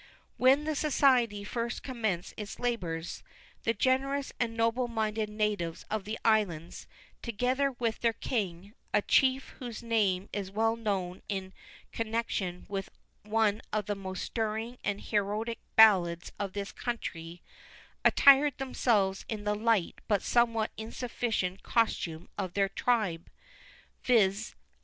"When the society first commenced its labours, the generous and noble minded natives of the islands, together with their king a chief whose name is well known in connexion with one of the most stirring and heroic ballads of this country attired themselves in the light but somewhat insufficient costume of their tribe viz.